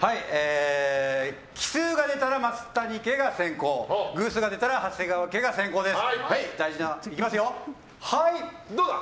奇数が出たら松谷家が先攻偶数が出たら長谷川家が先攻です。